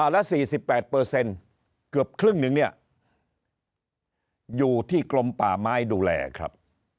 และ๔๘เกือบครึ่งหนึ่งเนี่ยอยู่ที่กรมป่าไม้ดูแลครับ